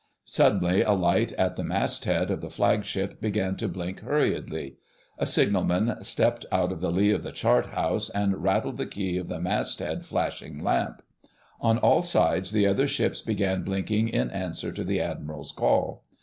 Suddenly a light at the masthead of the Flagship began to blink hurriedly. A signalman stepped out of the lee of the chart house and rattled the key of the masthead flashing lamp. On all sides the other ships began blinking in answer to the Admiral's call.